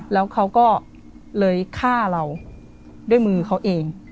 แล้วเขาก็เลยฆ่าเราด้วยมือเขาเอง